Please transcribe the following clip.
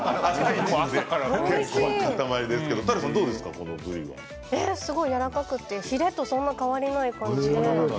すごいやわらかくてヒレとそんなに変わりない感じで。